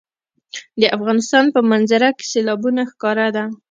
د افغانستان په منظره کې سیلابونه ښکاره ده.